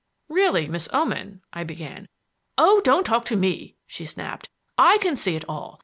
"Really, Miss Oman," I began. "Oh, don't talk to me!" she snapped. "I can see it all.